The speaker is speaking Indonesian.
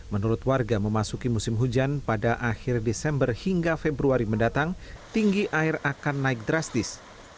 menurut warga memasuki musim hujan pada akhir desember hingga februari mendatang tinggi air akan naik drastis